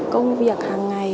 công việc hàng ngày